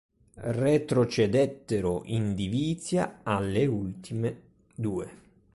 Retrocedettero in Divizia A le ultime due.